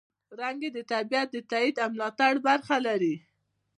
رنګ یې د طبیعت د تاييد او ملاتړ برخه لري.